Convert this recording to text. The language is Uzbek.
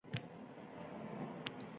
Bir bog’ gul kabi edi.